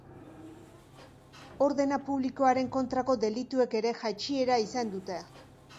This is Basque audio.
Ordena publikoaren kontrako delituek ere jaitsiera izan dute.